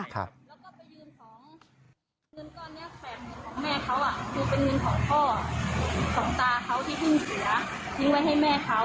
แล้วก็ไปยืนของเงินก่อนเนี่ยแฝบหนึ่งของแม่เขาอะ